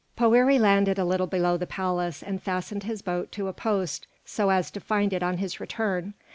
Poëri landed a little below the palace and fastened his boat to a post so as to find it on his return.